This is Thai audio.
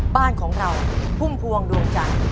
บ้านของเราพุ่มพวงดวงจันทร์